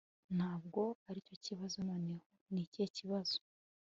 Ntabwo aricyo kibazo Noneho ni ikihe kibazo